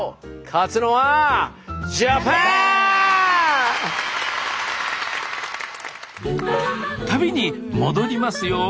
勝つのは旅に戻りますよ。